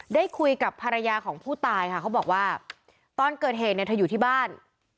ได้คุยกับภรรยาของผู้ตายค่ะเขาบอกว่าตอนเกิดเหตุเนี่ยเธออยู่ที่บ้าน